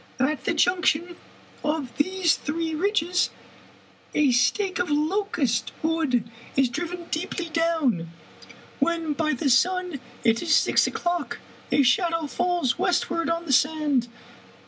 At the junction of these three 40 Fitzjames O'Brien ridges a stake of locust wood is driven deeply down. When by the sun it iis six o'clock, a shadow falls west ward on the sand.